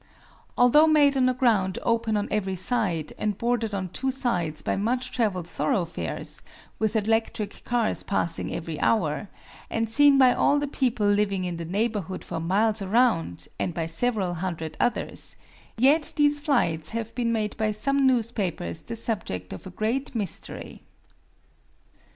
Although made on a ground open on every side, and bordered on two sides by much traveled thoroughfares, with electric cars passing every hour, and seen by all the people living in the neighborhood for miles around, and by several hundred others, yet these flights have been made by some newspapers the subject of a great "mystery."